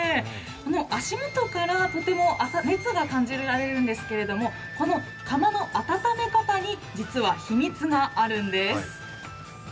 足元からとても熱を感じられるんですけれども、この窯の温め方に実は秘密があるんです。